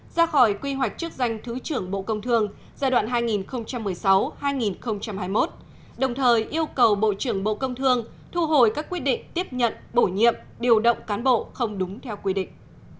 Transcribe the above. ra khỏi quy hoạch chức danh thứ trưởng bộ công thương giai đoạn hai nghìn một mươi sáu hai nghìn hai mươi một đồng thời yêu cầu bộ trưởng bộ công thương thu hồi các quyết định tiếp nhận bổ nhiệm điều động cán bộ không đúng theo quy định